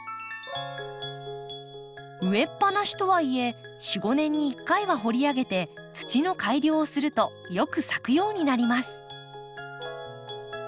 植えっぱなしとはいえ４５年に１回は掘り上げて土の改良をするとよく咲くようになります。